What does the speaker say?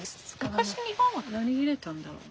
昔日本は何入れたんだろうね？